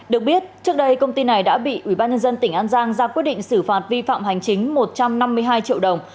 được biết trước đây công ty này đã bị ubnd tỉnh an giang ra quyết định xử phạt vi phạm hành chính một trăm năm mươi hai triệu đồng